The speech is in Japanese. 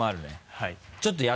はい。